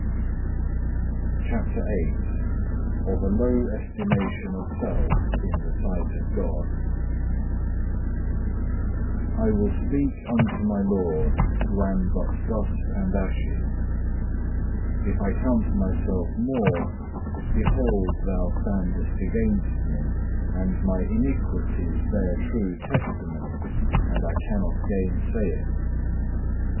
23. CHAPTER VIII Of a low estimation of self in the sight of God I will speak unto my Lord who am but dust and ashes. If I count myself more, behold Thou standest against me, and my iniquities bear true testimony, and I cannot gainsay it.